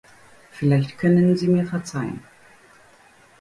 Vielleicht können Sie mir verzeihen.